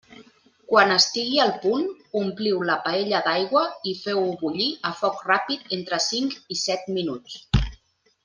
Quan estigui al punt, ompliu la paella d'aigua i feu-ho bullir a foc ràpid entre cinc i set minuts.